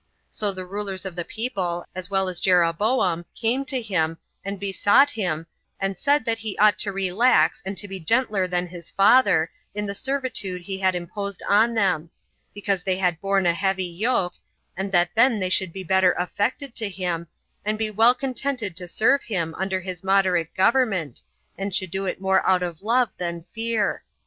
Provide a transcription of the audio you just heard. So the rulers of the people, as well as Jeroboam, came to him, and besought him, and said that he ought to relax, and to be gentler than his father, in the servitude he had imposed on them, because they had borne a heavy yoke, and that then they should be better affected to him, and be well contented to serve him under his moderate government, and should do it more out of love than fear.